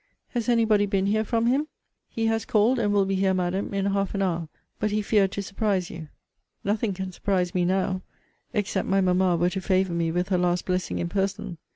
Has any body been here from him? He has called, and will be here, Madam, in half an hour; but he feared to surprise you. Nothing can surprise me now, except my mamma were to favour me with her last blessing in person.